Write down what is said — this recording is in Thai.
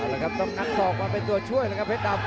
นะครับต้องนักสอบมาเป็นตัวช่วยนะครับเพชรดำ